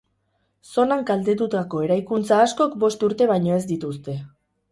Zonan kaltetutako eraikuntza askok bost urte baino ez dituzte.